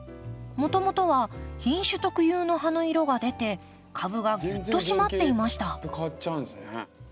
もともとは品種特有の葉の色が出て株がギュッと締まっていました。